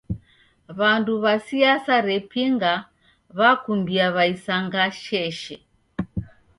W'andu w'a siasa repinga w'akumbia w'aisanga sheshe.